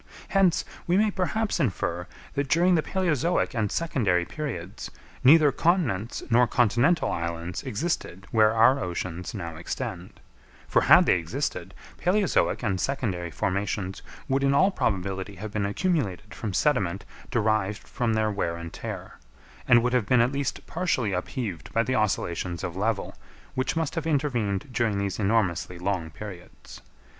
Hence, we may perhaps infer, that during the palæozoic and secondary periods, neither continents nor continental islands existed where our oceans now extend; for had they existed, palæozoic and secondary formations would in all probability have been accumulated from sediment derived from their wear and tear; and would have been at least partially upheaved by the oscillations of level, which must have intervened during these enormously long periods.